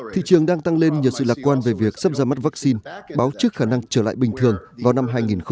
thị trường đang tăng lên nhờ sự lạc quan về việc sắp ra mắt vaccine báo chức khả năng trở lại bình thường vào năm hai nghìn hai mươi